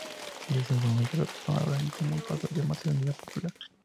Desde ese momento la plataforma Ahora en Común pasó a llamarse Unidad Popular.